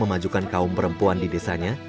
memajukan kaum perempuan di desanya